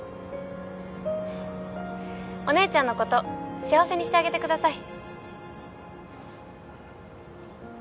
お姉ちゃんのこと幸せにしてあげてください。